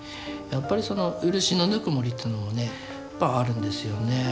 やっぱりその漆のぬくもりというのもねあるんですよね。